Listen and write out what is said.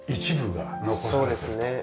そうですね。